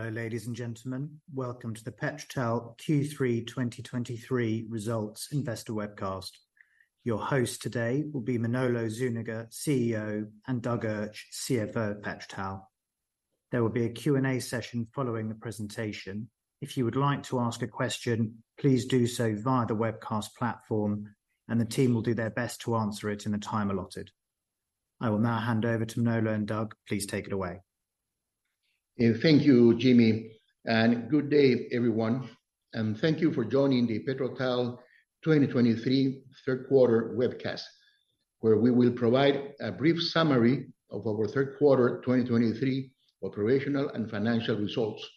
Hello, ladies and gentlemen. Welcome to the PetroTal Q3 2023 Results Investor Webcast. Your host today will be Manolo Zúñiga, CEO, and Doug Urch, CFO of PetroTal. There will be a Q&A session following the presentation. If you would like to ask a question, please do so via the webcast platform, and the team will do their best to answer it in the time allotted. I will now hand over to Manolo and Doug. Please take it away. Thank you, Jimmy, and good day, everyone, and thank you for joining the PetroTal 2023 third quarter webcast, where we will provide a brief summary of our third quarter 2023 operational and financial results.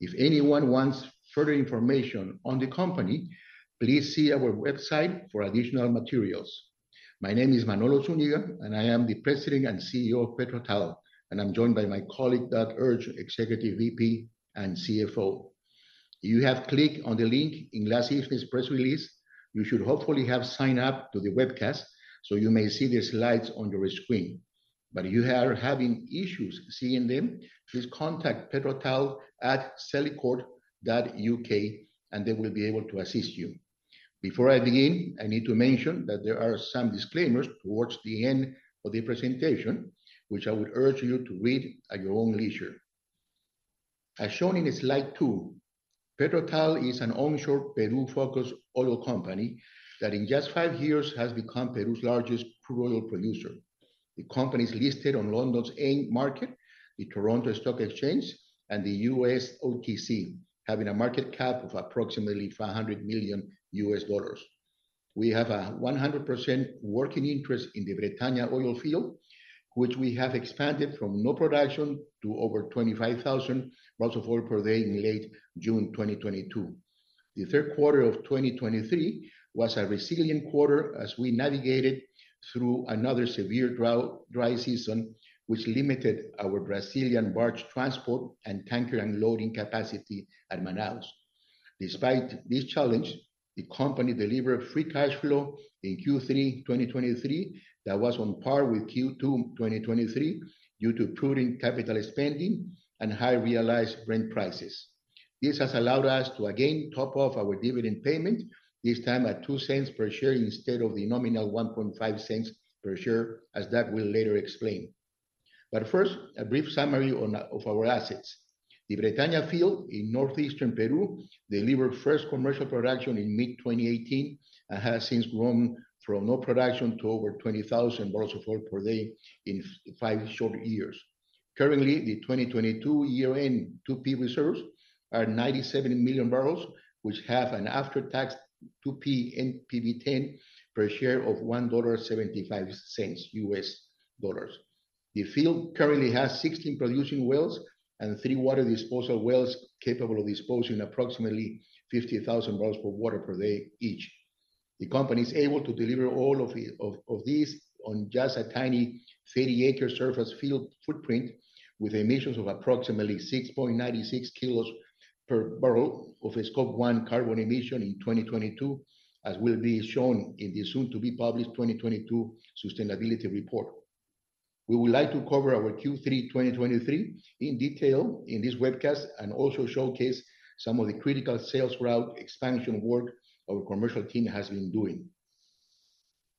If anyone wants further information on the company, please see our website for additional materials. My name is Manolo Zúñiga, and I am the President and CEO of PetroTal, and I'm joined by my colleague, Doug Urch, Executive VP and CFO. You have clicked on the link in last evening's press release. You should hopefully have signed up to the webcast, so you may see the slides on your screen. But if you are having issues seeing them, please contact petrotal@celicourt.uk, and they will be able to assist you. Before I begin, I need to mention that there are some disclaimers towards the end of the presentation, which I would urge you to read at your own leisure. As shown in slide two, PetroTal is an onshore Peru-focused oil company that in just five years has become Peru's largest crude oil producer. The company's listed on London's AIM market, the Toronto Stock Exchange, and the U.S. OTC, having a market cap of approximately $500 million. We have a 100% working interest in the Bretaña Oil Field, which we have expanded from no production to over 25,000 barrels of oil per day in late June 2022. The third quarter of 2023 was a resilient quarter as we navigated through another severe drought dry season, which limited our Brazilian barge transport and tanker unloading capacity at Manaus. Despite this challenge, the company delivered free cash flow in Q3 2023 that was on par with Q2 2023 due to prudent capital spending and high realized Brent prices. This has allowed us to again top off our dividend payment, this time at $0.02 per share instead of the nominal $0.015 per share, as Doug will later explain. But first, a brief summary of our assets. The Bretaña field in northeastern Peru delivered first commercial production in mid-2018 and has since grown from no production to over 20,000 barrels of oil per day in five short years. Currently, the 2022 year-end 2P reserves are 97 million barrels, which have an after-tax 2P NPV-10 per share of $1.75. The field currently has 16 producing wells and three water disposal wells capable of disposing approximately 50,000 barrels of water per day each. The company is able to deliver all of these on just a tiny 30-acre surface field footprint, with emissions of approximately 6.96 kg per barrel of a Scope 1 carbon emission in 2022, as will be shown in the soon-to-be-published 2022 sustainability report. We would like to cover our Q3 2023 in detail in this webcast and also showcase some of the critical sales route expansion work our commercial team has been doing.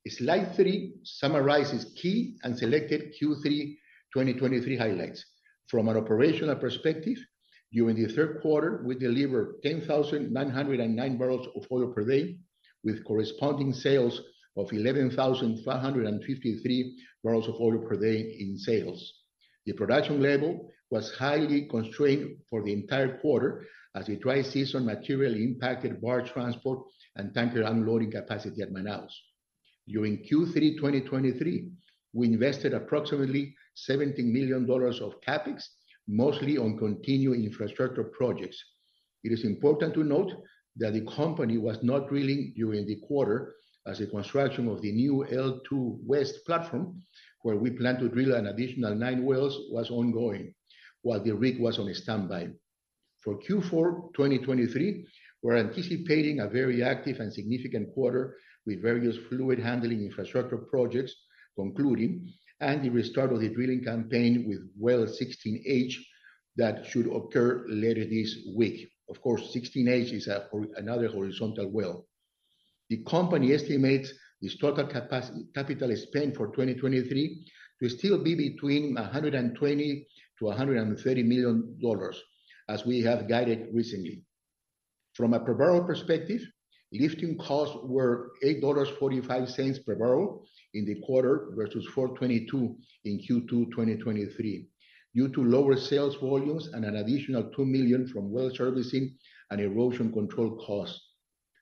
Slide 3 summarizes key and selected Q3 2023 highlights. From an operational perspective, during the third quarter, we delivered 10,009 barrels of oil per day, with corresponding sales of 11,553 barrels of oil per day in sales. The production level was highly constrained for the entire quarter as the dry season materially impacted barge transport and tanker unloading capacity at Manaus. During Q3 2023, we invested approximately $17 million of CapEx, mostly on continuing infrastructure projects. It is important to note that the company was not drilling during the quarter, as the construction of the new L2 West platform, where we plan to drill an additional nine wells, was ongoing while the rig was on standby. For Q4 2023, we're anticipating a very active and significant quarter with various fluid handling infrastructure projects concluding and the restart of the drilling campaign with Well 16H that should occur later this week. Of course, 16H is another horizontal well. The company estimates the total capital spend for 2023 to still be between $120 million-$130 million, as we have guided recently. From a per barrel perspective, lifting costs were $8.45 per barrel in the quarter, versus $4.22 in Q2 2023, due to lower sales volumes and an additional $2 million from well servicing and erosion control costs.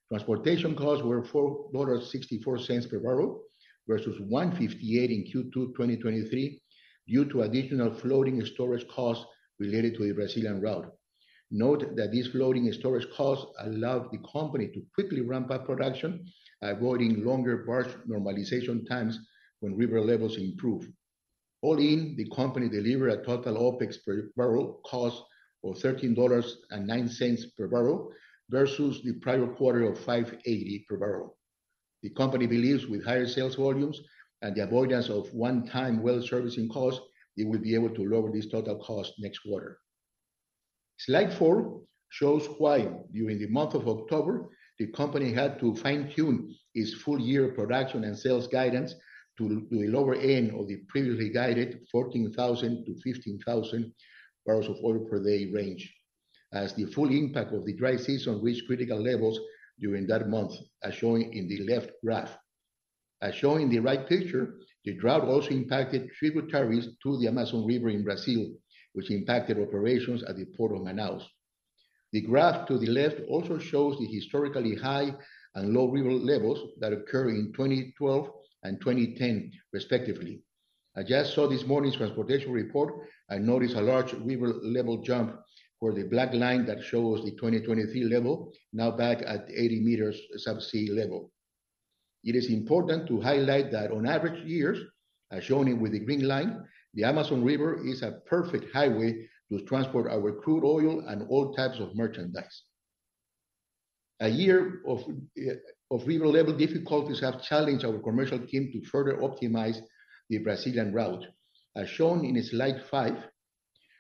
Transportation costs were $4.64 per barrel versus $1.58 in Q2 2023, due to additional floating storage costs related to the Brazilian route. Note that these floating storage costs allowed the company to quickly ramp up production, avoiding longer barge normalization times when river levels improve. All in, the company delivered a total OpEx per barrel cost of $13.09 per barrel versus the prior quarter of $5.80 per barrel. The company believes with higher sales volumes and the avoidance of one-time well servicing costs, it will be able to lower this total cost next quarter. Slide four shows why, during the month of October, the company had to fine-tune its full year production and sales guidance to the lower end of the previously guided 14,000-15,000 barrels of oil per day range, as the full impact of the dry season reached critical levels during that month, as shown in the left graph. As shown in the right picture, the drought also impacted tributaries to the Amazon River in Brazil, which impacted operations at the Port of Manaus. The graph to the left also shows the historically high and low river levels that occurred in 2012 and 2010, respectively. I just saw this morning's transportation report. I noticed a large river level jump for the black line that shows the 2023 level, now back at 80 meters subsea level. It is important to highlight that on average years, as shown with the green line, the Amazon River is a perfect highway to transport our crude oil and all types of merchandise. A year of river level difficulties have challenged our commercial team to further optimize the Brazilian route. As shown in slide 5,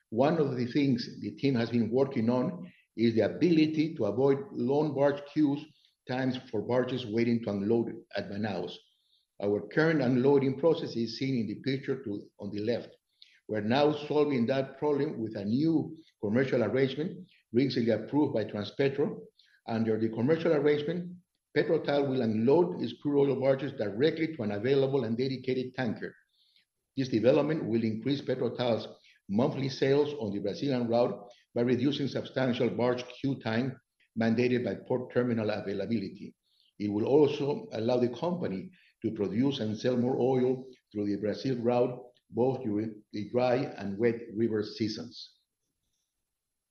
one of the things the team has been working on is the ability to avoid long barge queues, times for barges waiting to unload at Manaus. Our current unloading process is seen in the picture on the left. We're now solving that problem with a new commercial arrangement recently approved by Transpetro. Under the commercial arrangement, PetroTal will unload its crude oil barges directly to an available and dedicated tanker. This development will increase PetroTal's monthly sales on the Brazilian route by reducing substantial barge queue time mandated by port terminal availability. It will also allow the company to produce and sell more oil through the Brazil route, both during the dry and wet river seasons.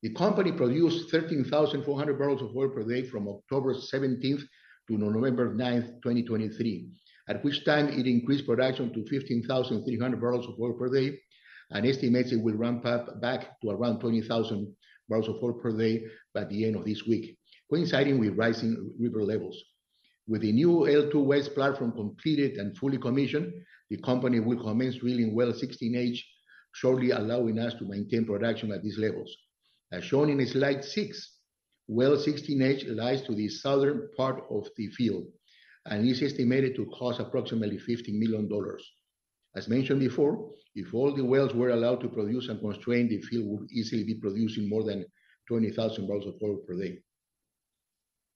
The company produced 13,400 barrels of oil per day from October 17th to November 9th, 2023, at which time it increased production to 15,300 barrels of oil per day, and estimates it will ramp up back to around 20,000 barrels of oil per day by the end of this week, coinciding with rising river levels. With the new L2 West platform completed and fully commissioned, the company will commence drilling Well 16H, shortly allowing us to maintain production at these levels. As shown in slide 6, Well 16H lies to the southern part of the field and is estimated to cost approximately $50 million. As mentioned before, if all the wells were allowed to produce unconstrained, the field would easily be producing more than 20,000 barrels of oil per day.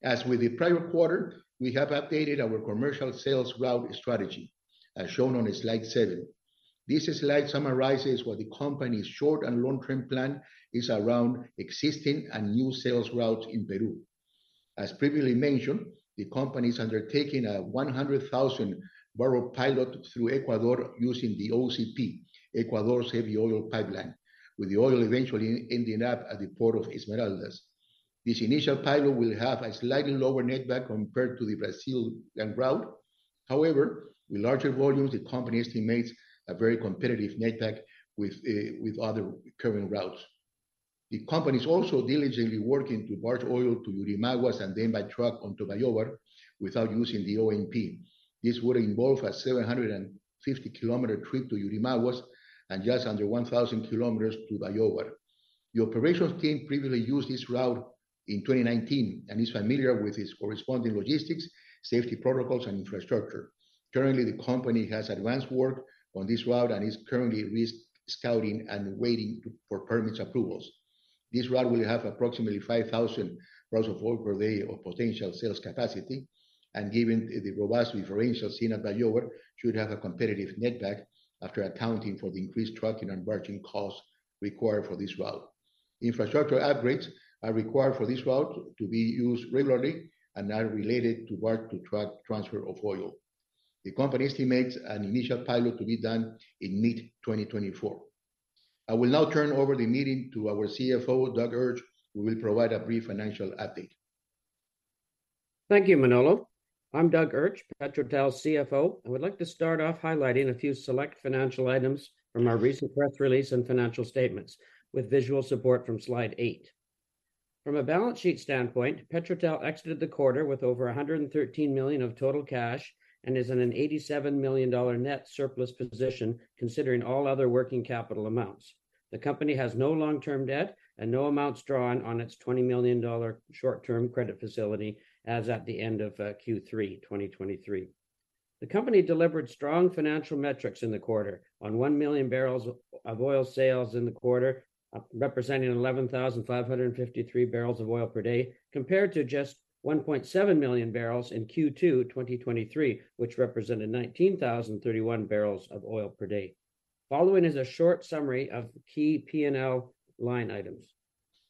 As with the prior quarter, we have updated our commercial sales route strategy, as shown on slide 7. This slide summarizes what the company's short- and long-term plan is around existing and new sales routes in Peru. As previously mentioned, the company is undertaking a 100,000-barrel pilot through Ecuador using the OCP, Ecuador's heavy oil pipeline, with the oil eventually ending up at the port of Esmeraldas. This initial pilot will have a slightly lower netback compared to the Brazilian route. However, with larger volumes, the company estimates a very competitive netback with other current routes. The company is also diligently working to barge oil to Yurimaguas and then by truck onto Bayóvar, without using the ONP. This would involve a 750-km trip to Yurimaguas, and just under 1,000 km to Bayóvar. The operations team previously used this route in 2019 and is familiar with its corresponding logistics, safety protocols, and infrastructure. Currently, the company has advanced work on this route and is currently risk scouting and waiting for permits approvals. This route will have approximately 5,000 barrels of oil per day of potential sales capacity, and given the robust differentials seen at Bayóvar, should have a competitive netback after accounting for the increased trucking and barging costs required for this route. Infrastructure upgrades are required for this route to be used regularly and are related to barge-to-truck transfer of oil. The company estimates an initial pilot to be done in mid 2024. I will now turn over the meeting to our CFO, Doug Urch, who will provide a brief financial update. Thank you, Manolo. I'm Doug Urch, PetroTal's CFO, and would like to start off highlighting a few select financial items from our recent press release and financial statements, with visual support from slide 8. From a balance sheet standpoint, PetroTal exited the quarter with over $113 million of total cash, and is in a $87 million net surplus position, considering all other working capital amounts. The company has no long-term debt and no amounts drawn on its $20 million short-term credit facility, as at the end of Q3 2023. The company delivered strong financial metrics in the quarter on 1 million barrels of oil sales in the quarter, representing 11,553 barrels of oil per day, compared to just 1.7 million barrels in Q2 2023, which represented 19,031 barrels of oil per day. Following is a short summary of key P&L line items.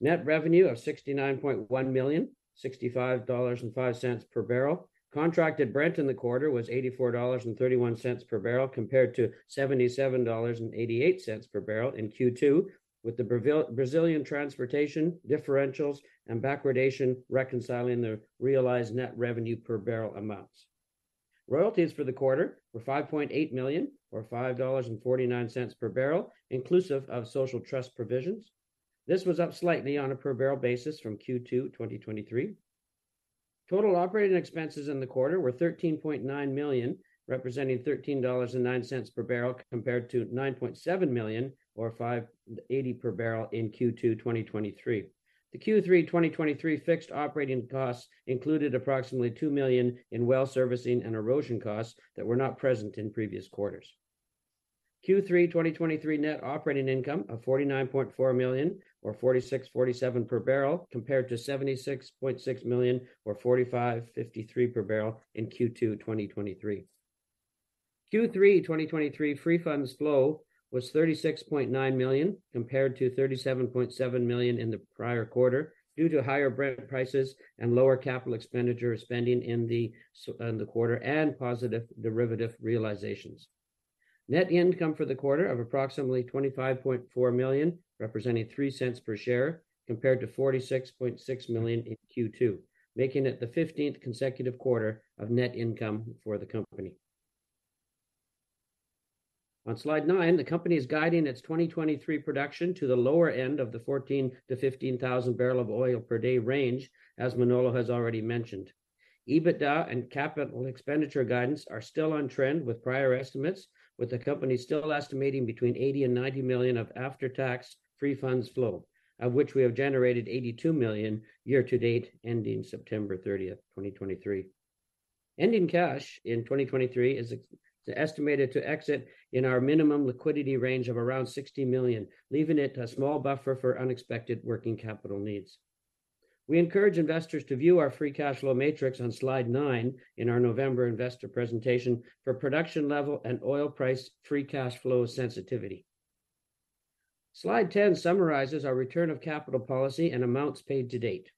Net revenue of $69.1 million, $65.05 per barrel. Contracted Brent in the quarter was $84.31 per barrel, compared to $77.88 per barrel in Q2, with the Brazilian transportation differentials and backwardation reconciling the realized net revenue per barrel amounts. Royalties for the quarter were $5.8 million, or $5.49 per barrel, inclusive of social trust provisions. This was up slightly on a per barrel basis from Q2 2023. Total operating expenses in the quarter were $13.9 million, representing $13.09 per barrel, compared to $9.7 million, or $5.80 per barrel, in Q2 2023. The Q3 2023 fixed operating costs included approximately $2 million in well servicing and erosion costs that were not present in previous quarters. Q3 2023 net operating income of $49.4 million, or $46.47 per barrel, compared to $76.6 million, or $45.53 per barrel, in Q2 2023. Q3 2023 free funds flow was $36.9 million, compared to $37.7 million in the prior quarter, due to higher Brent prices and lower capital expenditure spending in the quarter, and positive derivative realizations. Net income for the quarter of approximately $25.4 million, representing $0.03 per share, compared to $46.6 million in Q2, making it the 15th consecutive quarter of net income for the company. On Slide 9, the company is guiding its 2023 production to the lower end of the 14,000-15,000 barrel of oil per day range, as Manolo has already mentioned. EBITDA and capital expenditure guidance are still on trend with prior estimates, with the company still estimating between $80 million and $90 million of after-tax free funds flow, of which we have generated $82 million year to date, ending September 30, 2023. Ending cash in 2023 is estimated to exit in our minimum liquidity range of around $60 million, leaving it a small buffer for unexpected working capital needs. We encourage investors to view our free cash flow matrix on Slide 9 in our November investor presentation for production level and oil price free cash flow sensitivity. Slide 10 summarizes our return of capital policy and amounts paid to date.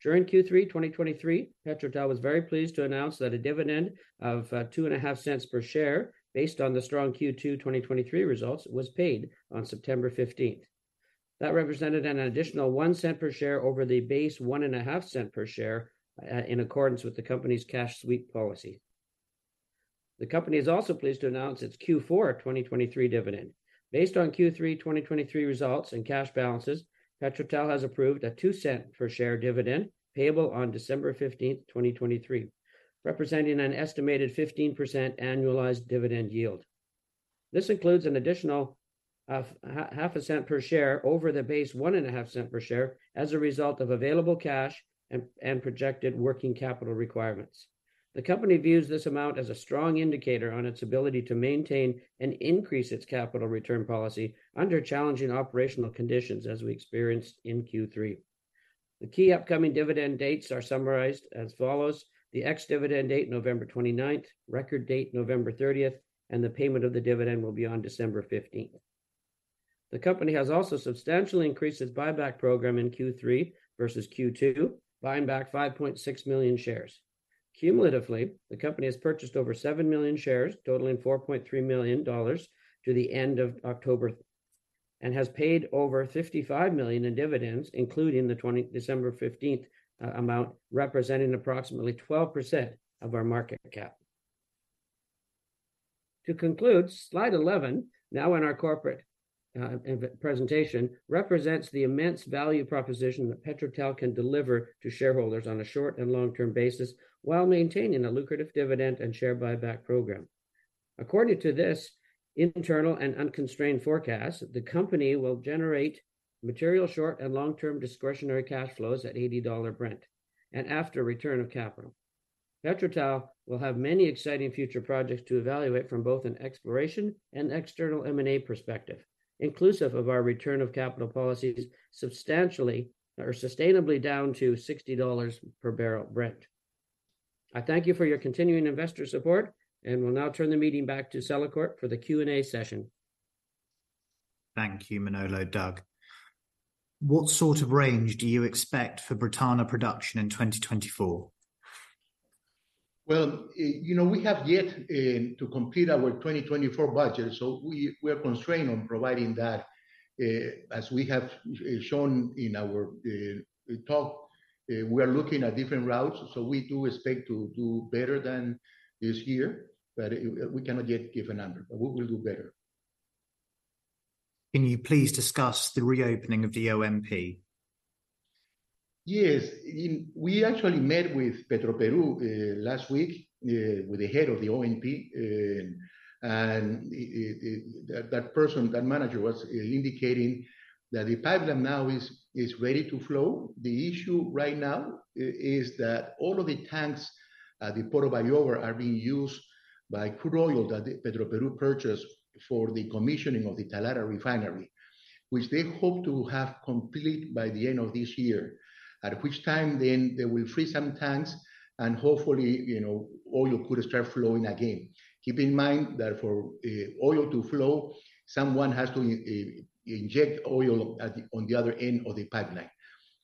During Q3 2023, PetroTal was very pleased to announce that a dividend of $0.025 per share, based on the strong Q2 2023 results, was paid on September 15. That represented an additional $0.01 per share over the base $0.015 per share, in accordance with the company's cash sweep policy. The company is also pleased to announce its Q4 2023 dividend. Based on Q3 2023 results and cash balances, PetroTal has approved a $0.02 per share dividend, payable on December 15, 2023, representing an estimated 15% annualized dividend yield. This includes an additional half a cent per share over the base one and a half cent per share as a result of available cash and projected working capital requirements. The company views this amount as a strong indicator on its ability to maintain and increase its capital return policy under challenging operational conditions, as we experienced in Q3. The key upcoming dividend dates are summarized as follows: the ex-dividend date, November 29th; record date, November 30th; and the payment of the dividend will be on December 15th. The company has also substantially increased its buyback program in Q3 versus Q2, buying back 5.6 million shares. Cumulatively, the company has purchased over 7 million shares, totaling $4.3 million to the end of October, and has paid over $55 million in dividends, including the December 15th amount, representing approximately 12% of our market cap. To conclude, slide 11, now in our corporate, inv. Presentation, represents the immense value proposition that PetroTal can deliver to shareholders on a short- and long-term basis, while maintaining a lucrative dividend and share buyback program. According to this internal and unconstrained forecast, the company will generate material short- and long-term discretionary cash flows at $80 Brent, and after return of capital. PetroTal will have many exciting future projects to evaluate from both an exploration and external M&A perspective, inclusive of our return of capital policies, substantially or sustainably down to $60 per barrel Brent. I thank you for your continuing investor support, and will now turn the meeting back to Celicourt for the Q&A session. Thank you, Manolo. Doug, what sort of range do you expect for Bretaña production in 2024? Well, you know, we have yet to complete our 2024 budget, so we, we are constrained on providing that. As we have shown in our talk, we are looking at different routes, so we do expect to do better than this year, but we cannot yet give a number, but we will do better. Can you please discuss the reopening of the ONP? Yes. We actually met with PetroPerú last week with the head of the ONP and that person, that manager, was indicating that the pipeline now is ready to flow. The issue right now is that all of the tanks at the Bayóvar are being used by crude oil that the PetroPerú purchased for the commissioning of the Talara Refinery, which they hope to have complete by the end of this year. At which time, then they will free some tanks and hopefully, you know, oil could start flowing again. Keep in mind that for oil to flow, someone has to inject oil at on the other end of the pipeline.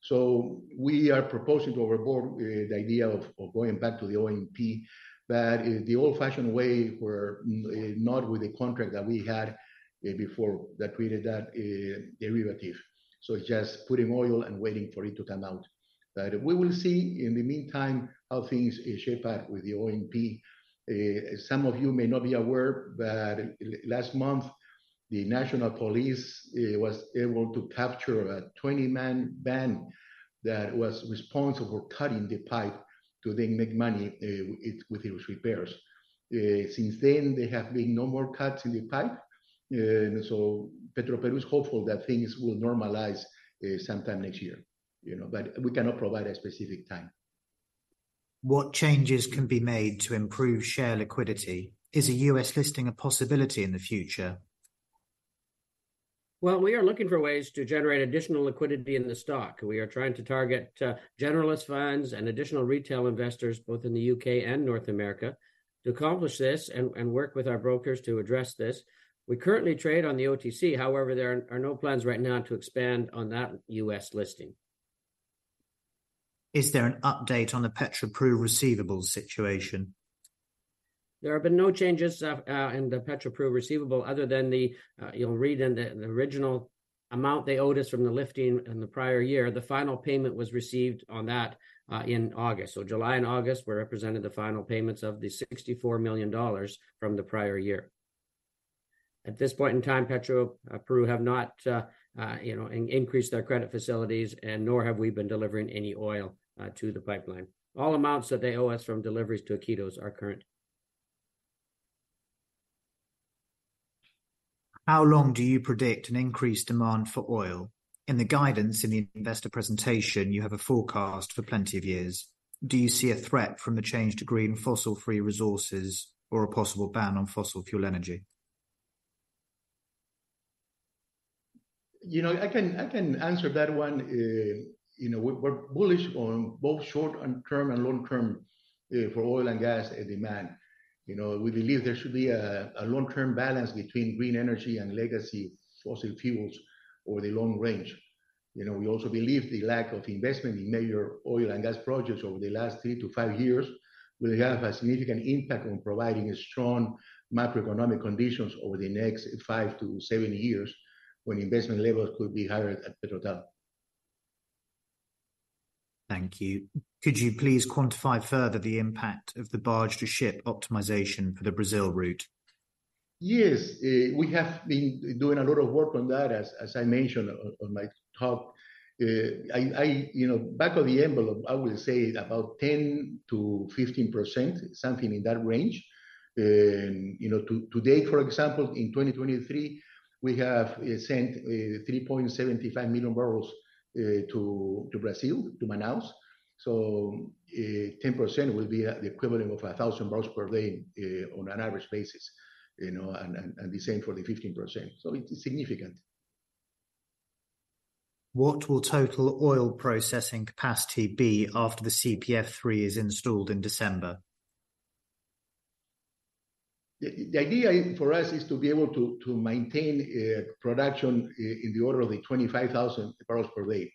So we are proposing to our board, the idea of, of going back to the ONP, but in the old-fashioned way, where, not with the contract that we had, before, that we did that, derivative. So just putting oil and waiting for it to come out but we will see in the meantime how things shape up with the ONP. Some of you may not be aware, but last month, the national police was able to capture a 20-man band that was responsible for cutting the pipe to then make money, with, with those repairs. Since then, there have been no more cuts in the pipe, so PetroPerú is hopeful that things will normalize, sometime next year, you know, but we cannot provide a specific time. What changes can be made to improve share liquidity? Is a U.S. listing a possibility in the future? Well, we are looking for ways to generate additional liquidity in the stock. We are trying to target generalist funds and additional retail investors, both in the U.K. and North America, to accomplish this and work with our brokers to address this. We currently trade on the OTC; however, there are no plans right now to expand on that U.S. listing. Is there an update on the PetroPerú receivables situation? There have been no changes in the PetroPerú receivable other than the, you'll read in the original amount they owed us from the lifting in the prior year. The final payment was received on that in August. So July and August were represented the final payments of the $64 million from the prior year. At this point in time, PetroPerú have not, you know, increased their credit facilities, and nor have we been delivering any oil to the pipeline. All amounts that they owe us from deliveries to Iquitos are current. How long do you predict an increased demand for oil? In the guidance in the investor presentation, you have a forecast for plenty of years. Do you see a threat from the change to green fossil-free resources or a possible ban on fossil fuel energy? You know, I can, I can answer that one. You know, we're, we're bullish on both short and term and long term for oil and gas demand. You know, we believe there should be a long-term balance between green energy and legacy fossil fuels over the long range. You know, we also believe the lack of investment in major oil and gas projects over the last 3-5 years will have a significant impact on providing a strong macroeconomic conditions over the next 5-7 years, when investment levels could be higher at PetroTal. Thank you. Could you please quantify further the impact of the barge to ship optimization for the Brazil route? Yes. We have been doing a lot of work on that, as I mentioned on my talk. You know, back of the envelope, I will say about 10%-15%, something in that range. You know, today, for example, in 2023, we have sent 3.75 million barrels to Brazil, to Manaus. So, 10% will be at the equivalent of 1,000 barrels per day, on an average basis, you know, and the same for the 15%, so it is significant. What will total oil processing capacity be after the CPF 3 is installed in December? The idea for us is to be able to maintain production in the order of 25,000 barrels per day.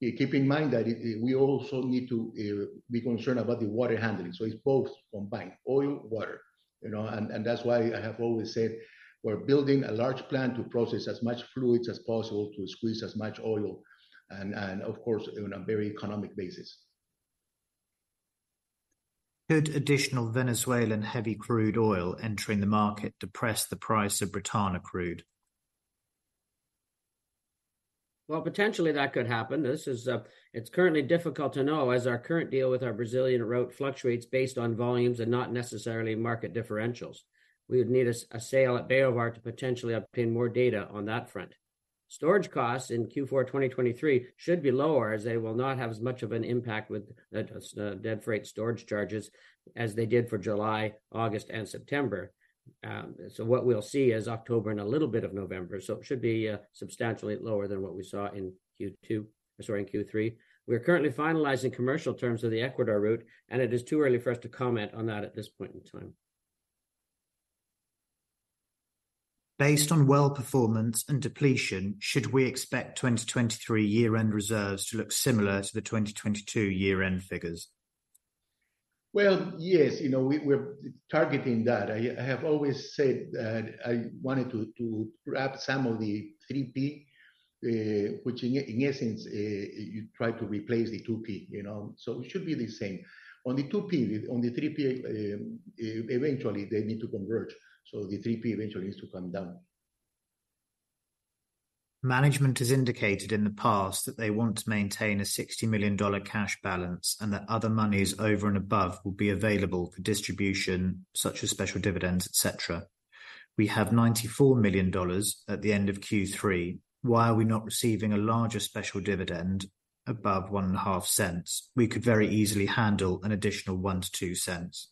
Keep in mind that we also need to be concerned about the water handling, so it's both combined, oil, water, you know. And that's why I have always said we're building a large plant to process as much fluids as possible, to squeeze as much oil and, of course, on a very economic basis. Could additional Venezuelan heavy crude oil entering the market depress the price of Bretaña crude? Well, potentially that could happen. This is. It's currently difficult to know, as our current deal with our Brazilian route fluctuates based on volumes and not necessarily market differentials. We would need a sale at Bayóvar to potentially obtain more data on that front. Storage costs in Q4 2023 should be lower, as they will not have as much of an impact with the dead freight storage charges as they did for July, August, and September. So what we'll see is October and a little bit of November, so it should be substantially lower than what we saw in Q2, sorry, in Q3. We're currently finalizing commercial terms of the Ecuador route, and it is too early for us to comment on that at this point in time. Based on well performance and depletion, should we expect 2023 year-end reserves to look similar to the 2022 year-end figures? Well, yes. You know, we're targeting that. I have always said that I wanted to grab some of the 3P, which in essence you try to replace the 2P, you know? So it should be the same. On the 2P. On the 3P, eventually they need to converge, so the 3P eventually needs to come down. Management has indicated in the past that they want to maintain a $60 million cash balance, and that other monies over and above will be available for distribution, such as special dividends, et cetera. We have $94 million at the end of Q3. Why are we not receiving a larger special dividend above $0.015? We could very easily handle an additional $0.01-$0.02.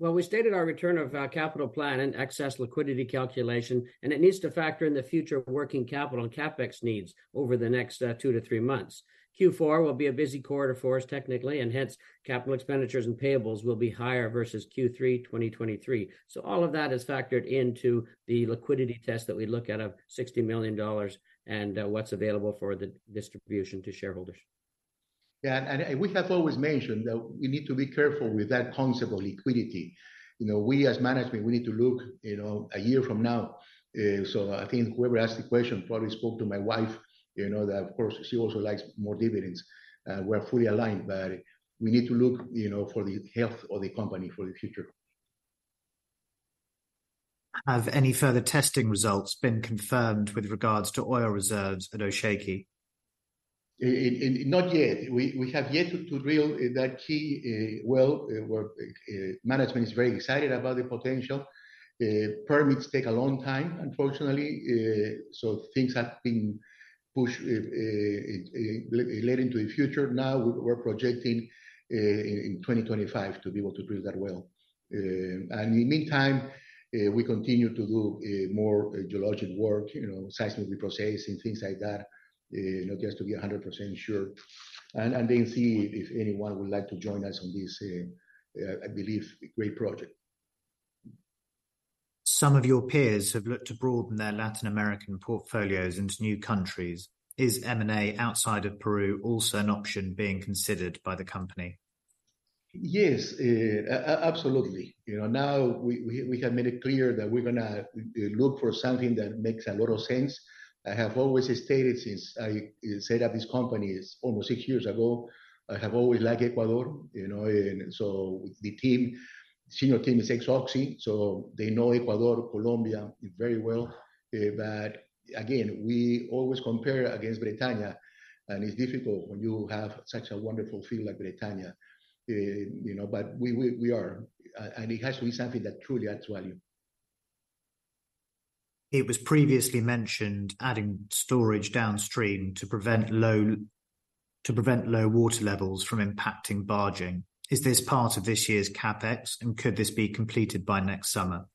Well, we stated our return of capital plan and excess liquidity calculation, and it needs to factor in the future working capital and CapEx needs over the next 2-3 months. Q4 will be a busy quarter for us, technically, and hence, capital expenditures and payables will be higher versus Q3 2023. So all of that is factored into the liquidity test that we look at of $60 million and what's available for the distribution to shareholders. Yeah, and we have always mentioned that we need to be careful with that concept of liquidity. You know, we as management, we need to look, you know, a year from now. So I think whoever asked the question probably spoke to my wife, you know, that of course, she also likes more dividends. We're fully aligned, but we need to look, you know, for the health of the company for the future. Have any further testing results been confirmed with regards to oil reserves at Osheki? Not yet. We have yet to drill that key well where management is very excited about the potential. Permits take a long time, unfortunately, so things have been pushed late into the future. Now, we're projecting in 2025 to be able to drill that well. And in the meantime, we continue to do more geologic work, you know, seismic reprocessing, things like that, you know, just to be 100% sure. And then see if anyone would like to join us on this, I believe, a great project. Some of your peers have looked to broaden their Latin American portfolios into new countries. Is M&A outside of Peru also an option being considered by the company? Yes, absolutely. You know, now we have made it clear that we're gonna look for something that makes a lot of sense. I have always stated since I set up this company, it's almost six years ago, I have always liked Ecuador, you know. And so the team, senior team is ex-Oxy, so they know Ecuador, Colombia, very well. But again, we always compare against Bretaña, and it's difficult when you have such a wonderful field like Bretaña. You know, but we are and it has to be something that truly adds value. It was previously mentioned, adding storage downstream to prevent low water levels from impacting barging. Is this part of this year's CapEx, and could this be completed by next summer?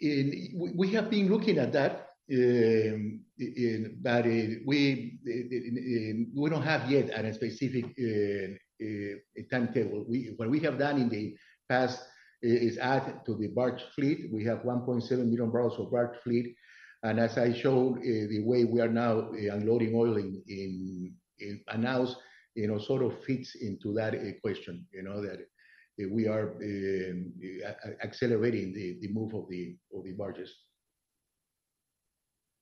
We have been looking at that, but we don't have yet a specific timetable. What we have done in the past is add to the barge fleet. We have 1.7 million barrels of barge fleet, and as I showed, the way we are now unloading oil in Manaus, you know, sort of fits into that equation, you know, that we are accelerating the move of the barges.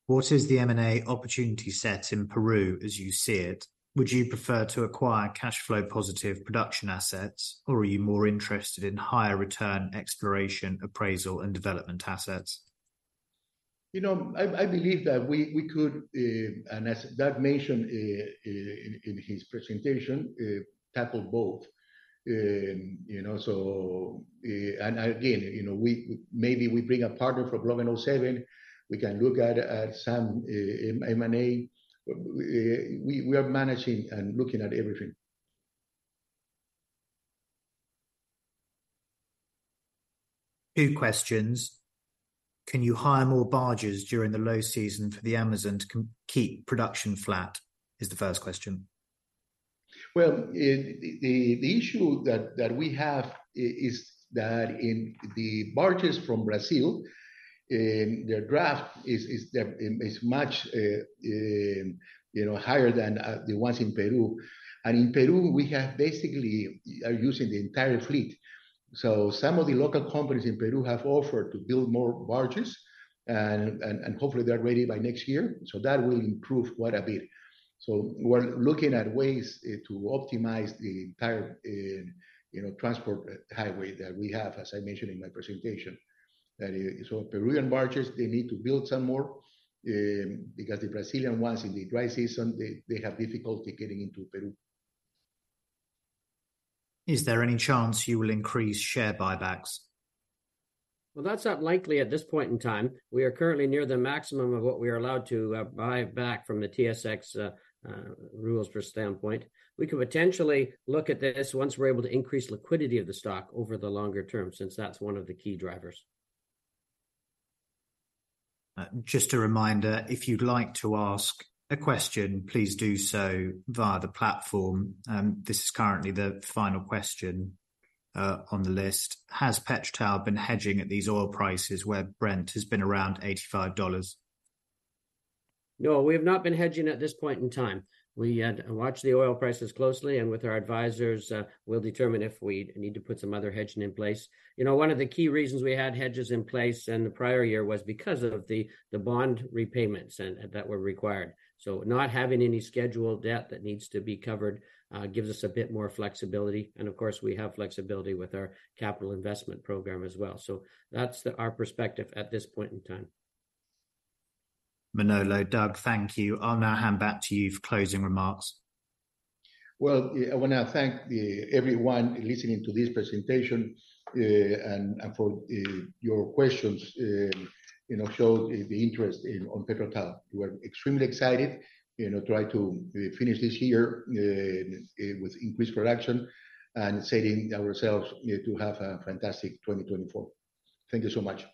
What is the M&A opportunity set in Peru as you see it? Would you prefer to acquire cash flow positive production assets, or are you more interested in higher return exploration, appraisal, and development assets? You know, I believe that we could, and as Doug mentioned in his presentation, tackle both. You know, so and again, you know, we maybe bring a partner for Block 107. We can look at some M&A. We are managing and looking at everything. Two questions. Can you hire more barges during the low season for the Amazon to keep production flat? Is the first question. Well, the issue that we have is that in the barges from Brazil, their draft is much, you know, higher than the ones in Peru. And in Peru, we basically are using the entire fleet. So some of the local companies in Peru have offered to build more barges, and hopefully they're ready by next year, so that will improve quite a bit. So we're looking at ways to optimize the entire, you know, transport highway that we have, as I mentioned in my presentation. That, so Peruvian barges, they need to build some more, because the Brazilian ones in the dry season, they have difficulty getting into Peru. Is there any chance you will increase share buybacks? Well, that's not likely at this point in time. We are currently near the maximum of what we are allowed to buy back from the TSX rules for standpoint. We could potentially look at this once we're able to increase liquidity of the stock over the longer term, since that's one of the key drivers. Just a reminder, if you'd like to ask a question, please do so via the platform. This is currently the final question on the list. Has PetroTal been hedging at these oil prices where Brent has been around $85? No, we have not been hedging at this point in time. We watch the oil prices closely, and with our advisors, we'll determine if we need to put some other hedging in place. You know, one of the key reasons we had hedges in place in the prior year was because of the bond repayments and that were required. So not having any scheduled debt that needs to be covered gives us a bit more flexibility, and of course, we have flexibility with our capital investment program as well. So that's our perspective at this point in time. Manolo, Doug, thank you. I'll now hand back to you for closing remarks. Well, I wanna thank everyone listening to this presentation, and, and for your questions, you know, showed the, the interest in, on PetroTal. We're extremely excited, you know, try to finish this year, with increased production and setting ourselves to have a fantastic 2024. Thank you so much.